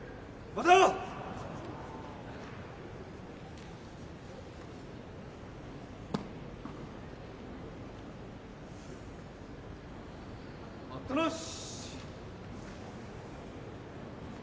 待ったなし。